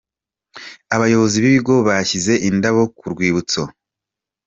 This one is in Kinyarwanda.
Abayobozi b’ikigo bashyize indabo ku rwibutso.